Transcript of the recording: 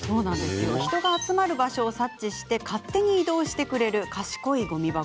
人の集まる場所を察知して勝手に移動してくれる賢いごみ箱。